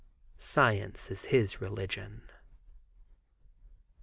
Science is his religion.